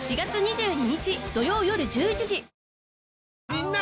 みんな！